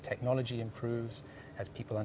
melakukan bisnis seperti ini